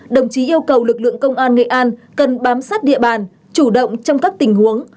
đồng chí yêu cầu lực lượng công an nghệ an cần bám sát địa bàn chủ động trong các tình huống